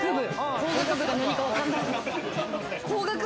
工学部が何かわかんない。